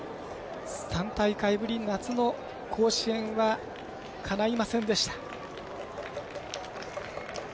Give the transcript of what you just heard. ３大会ぶり、夏の甲子園はかないませんでした。